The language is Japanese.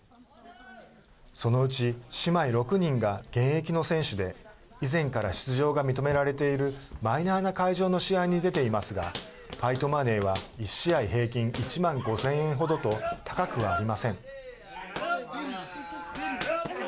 そのうち姉妹６人が現役の選手で以前から出場が認められているマイナーな会場の試合に出ていますがファイトマネーは１試合平均１万５０００円程と高くはありません。